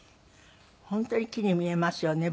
本当に木に見えますよね